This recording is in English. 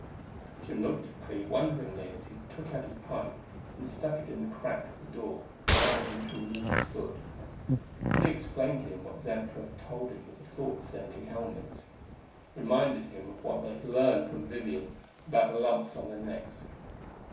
Jim looked at Clee wonderingly as he took out his pipe and stuck it in the crack of the door, allowing him to remove his foot. Clee explained to him what Xantra had told him with the thought sending helmets; reminded him of what they had learned from Vivian about the lumps on their necks.